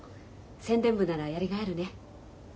宣伝部ならやりがいあるね。